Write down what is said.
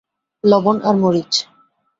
লবণ আর মরিচ।